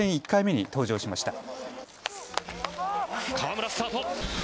１回目に登場しました。